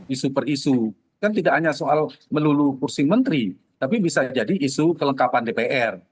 isu per isu kan tidak hanya soal melulu kursi menteri tapi bisa jadi isu kelengkapan dpr